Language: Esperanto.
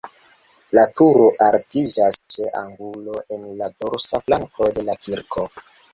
La turo altiĝas ĉe angulo en la dorsa flanko de la kirko.